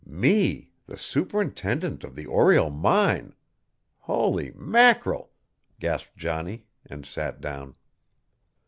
Me, the superintendent of the Oriel mine! Holy mackerel!" gasped Johnny, and sat down.